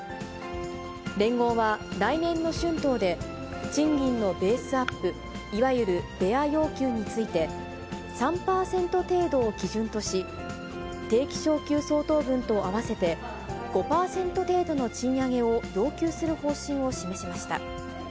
連合は、来年の春闘で賃金のベースアップ、いわゆるベア要求について、３％程度を基準とし、定期昇給相当分と合わせて、５％程度の賃上げを要求する方針を示しました。